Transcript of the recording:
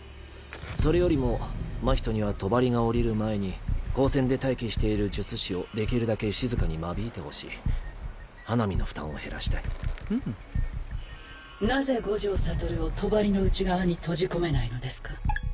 それよりも真人には帳が下りる前に高専で待機している術師をできるだけ静かに間引いてほしい花御の負担を減らしたいふむなぜ五条悟を帳の内側に閉じ込めないのですか？